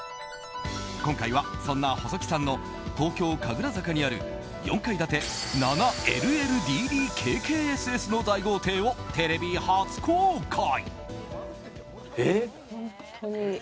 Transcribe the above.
今回は、そんな細木さんの東京・神楽坂にある４階建て７ＬＬＤＤＫＫＳＳの大豪邸をテレビ初公開。